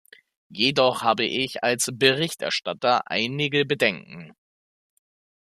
Jedoch habe ich als Berichterstatter einige Bedenken.